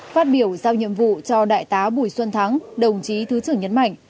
phát biểu giao nhiệm vụ cho đại tá bùi xuân thắng đồng chí thứ trưởng nhấn mạnh